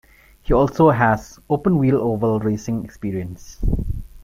He also has open-wheel oval racing experience.